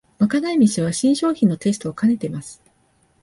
まかない飯は新商品のテストをかねてます